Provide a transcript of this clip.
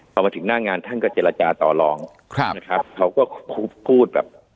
พอมาถึงหน้างานท่านก็เจรจาต่อลองครับนะครับเขาก็พูดแบบ